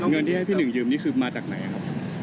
เงินที่ให้พี่หนึ่งยืมนี่คือมาจากไหนครับ